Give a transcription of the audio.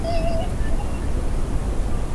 ماشومان به نور فعالیتونه وکړي.